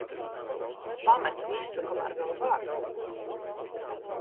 Pamet visu, kamēr vēl var.